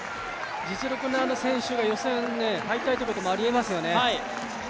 実力のある選手が予選敗退ということもありえますよね。